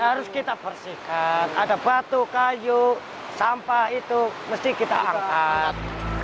harus kita bersihkan ada batu kayu sampah itu mesti kita angkat